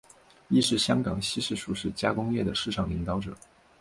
亦是香港西式熟食加工业的市场领导者。